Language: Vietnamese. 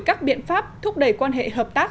các biện pháp thúc đẩy quan hệ hợp tác